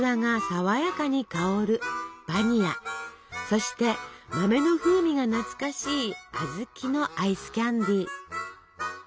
そして豆の風味が懐かしいあずきのアイスキャンデー。